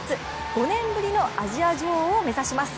５年ぶりのアジア女王を目指します。